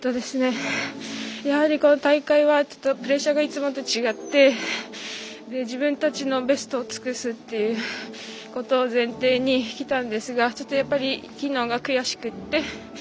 やはり、この大会はプレッシャーがいつもと違って自分たちのベストを尽くすということを前提にきたんですがちょっと、きのうが悔しくて。